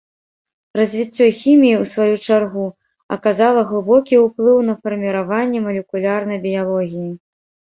Развіццё хіміі, у сваю чаргу, аказала глыбокі ўплыў на фарміраванне малекулярнай біялогіі.